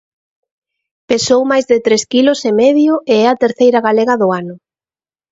Pesou máis de tres quilos e medio e é a terceira galega do ano.